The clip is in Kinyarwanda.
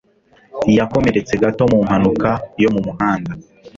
Yakomeretse gato mu mpanuka yo mu muhanda.